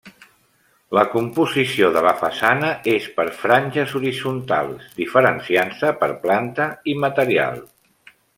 La composició de la façana és per franges horitzontals, diferenciant-se per planta i material.